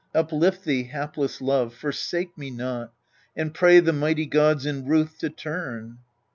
Uplift thee, hapless love, forsake me not, And pray the mighty gods in ruth to turn.